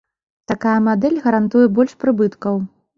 Такая мадэль гарантуе больш прыбыткаў.